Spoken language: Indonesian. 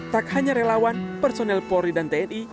tak hanya relawan personel polri dan tni